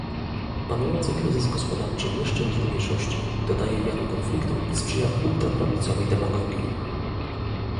Panujący kryzys gospodarczy nie szczędzi mniejszości - dodaje jadu konfliktom i sprzyja ultraprawicowej demagogii